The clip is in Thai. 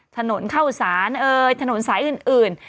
ถนนข้าวสานถนนสายอื่น